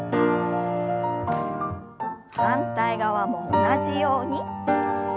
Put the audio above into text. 反対側も同じように。